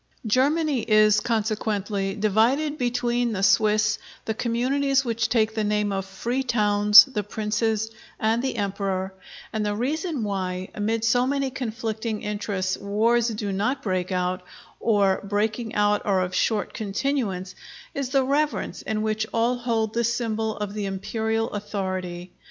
Germany is, consequently, divided between the Swiss, the communities which take the name of Free Towns, the Princes, and the Emperor; and the reason why, amid so many conflicting interests, wars do not break out, or breaking out are of short continuance, is the reverence in which all hold this symbol of the Imperial authority.